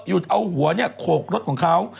อยู่เอาหัวโขลกรถของเขา